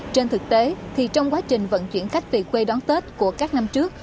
trên thực tế thì trong quá trình vận chuyển khách về quê đón tết của các năm trước